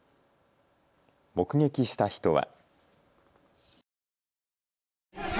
目撃した人は。